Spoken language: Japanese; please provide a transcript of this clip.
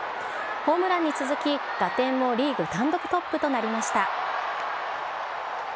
ホームランに続き、打点もリーグ単独トップとなりました。